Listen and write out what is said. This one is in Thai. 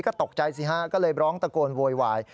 ก็ตกใจสิฮะก็เลยร้องตะโกนโวยวาย